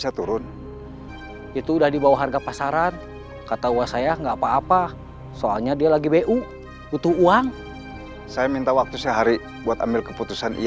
jangan gitu atu kita kan temen